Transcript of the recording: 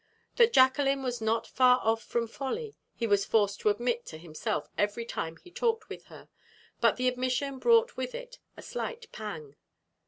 That Jacqueline was not far off from folly, he was forced to admit to himself every time he talked with her, but the admission brought with it a slight pang.